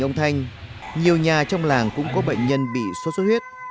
trong gia đình ông thanh nhiều nhà trong làng cũng có bệnh nhân bị sốt sốt huyết